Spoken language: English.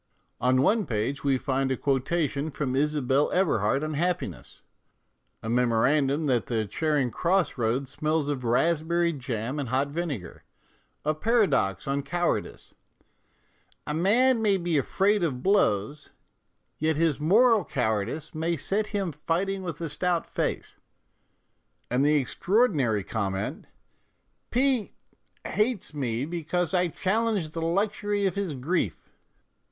On one page we find a quotation from Isabelle Eberhardt on happiness, a memorandum that the Charing Cross road smells of raspberry jam and hot vinegar, a paradox on cowardice " a man may be afraid of blows, yet his moral cowardice may set him fighting with a stout face " and the 286 MONOLOGUES extraordinary comment, " P hates me because I challenge the luxury of his grief."